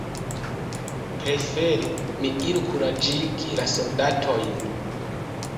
Prefere mi iru kuraĝigi la soldatojn.